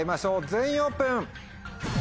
全員オープン！